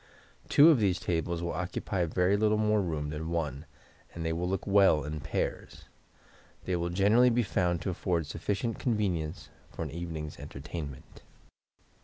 Two of these tables will occupy very little more room than one, and they look well in pairs. They will generally be found to afford sufficient convenience for an evening's entertainment.